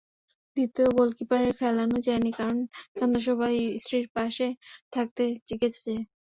দ্বিতীয় গোলকিপারকে খেলানো যায়নি, কারণ সন্তানসম্ভবা স্ত্রীর পাশে থাকতে গেছে সে।